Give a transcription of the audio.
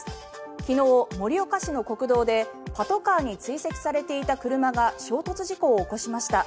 昨日、盛岡市の国道でパトカーに追跡されていた車が衝突事故を起こしました。